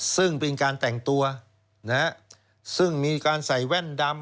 ซึ่งเป็นการแต่งตัวนะฮะซึ่งมีการใส่แว่นดำ